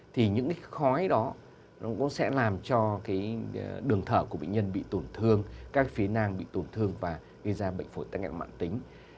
thì những khói đó cũng sẽ làm cho đường thở của bệnh nhân bị tổn thương các phía nang bị tổn thương và gây ra bệnh phổi tắc nghén mạng tính